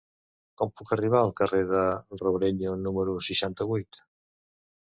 Com puc arribar al carrer de Robrenyo número seixanta-vuit?